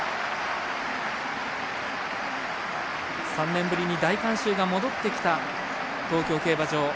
３年ぶりに大観衆が戻ってきた東京競馬場。